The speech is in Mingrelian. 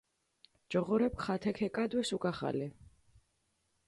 ჯოღორეფქ ხათე ქეკადვეს უკახალე.